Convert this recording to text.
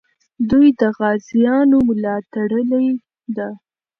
دوی د غازیانو ملا تړلې ده.